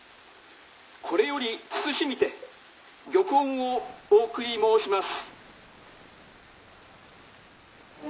これより謹みて玉音をお送り申します」。